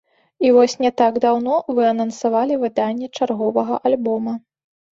І вось не так даўно вы анансавалі выданне чарговага альбома.